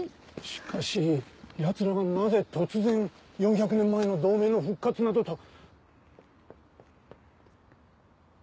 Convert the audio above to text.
しかし奴らがなぜ突然４００年前の同盟の復活などと。